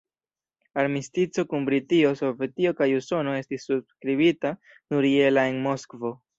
Armistico kun Britio, Sovetio kaj Usono estis subskribita nur je la en Moskvo.